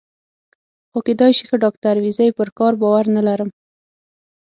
خو کېدای شي ښه ډاکټر وي، زه یې پر کار باور نه لرم.